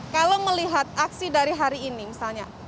kalau melihat aksi dari hari ini misalnya